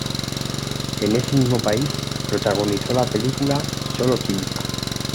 En ese mismo país, protagonizó la película "Solo química".